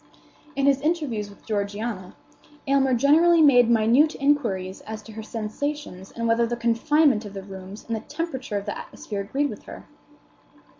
In his interviews with Georgiana, Aylmer generally made minute inquiries as to her sensations and whether the confinement of the rooms and the temperature of the atmosphere agreed with her.